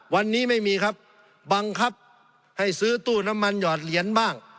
วันนี้ไม่มีครับบังคับให้ซื้อตู้น้ำมันหยอดเหรียญบ้าง